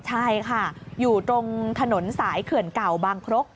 ใช่ค่ะอยู่ตรงถนนสายเขื่อนเก่าบางครก